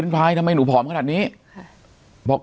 สวัสดีครับทุกผู้ชม